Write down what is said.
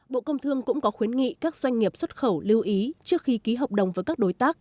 bộ công thương cũng có khuyến nghị các doanh nghiệp xuất khẩu lưu ý trước khi ký hợp đồng với các đối tác